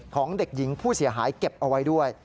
ของเด็กหญิงผู้เสียหายเก็บเอาไว้ด้วย